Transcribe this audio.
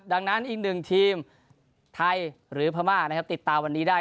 ดังนั้นอีกหนึ่งทีมไทยหรือพม่านะครับติดตามวันนี้ได้